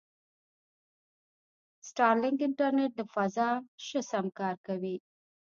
سټارلینک انټرنېټ له فضا شه سم کار کوي.